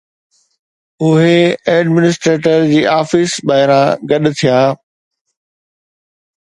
اهي ايڊمنسٽريٽر جي آفيس ٻاهران گڏ ٿيا